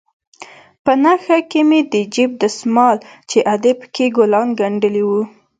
په نخښه کښې مې د جيب دسمال چې ادې پکښې ګلان گنډلي وو.